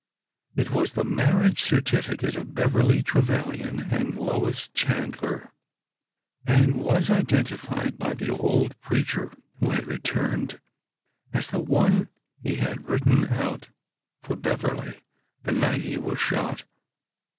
It was the marriage certificate of Beverly Trevilian and Lois Chandler, and was identified by the old preacher, who had returned, as the one he had written out for Beverly the night he was shot.